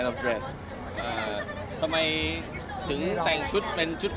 mengapa anda memakai pakaian yang sama seperti orang asing